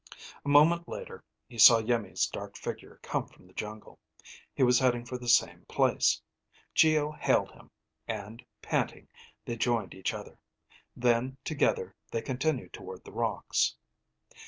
A moment later he saw Iimmi's dark figure come from the jungle. He was heading for the same place. Geo hailed him, and panting, they joined each other. Then, together they continued toward the rocks.